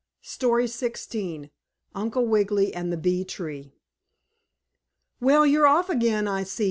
STORY XVI UNCLE WIGGILY AND THE BEE TREE "Well, you're off again, I see!"